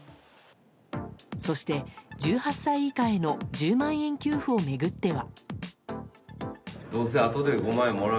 そして、１８歳以下への１０万円給付を巡っては。